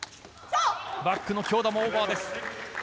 バックの強打もオーバーです。